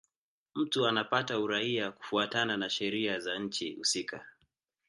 Mtu anapata uraia kufuatana na sheria za nchi husika.